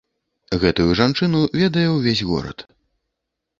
Гэтую жанчыну ведае ўвесь горад.